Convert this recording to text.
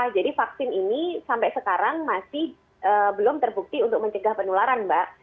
jadi vaksin ini sampai sekarang masih belum terbukti untuk mencegah penularan mbak